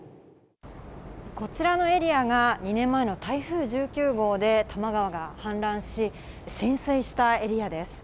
こちらのエリアが、２年前の台風１９号で多摩川が氾濫し、浸水したエリアです。